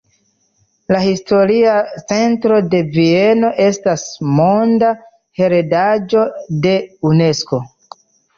La historia centro de Vieno estas monda heredaĵo de Unesko.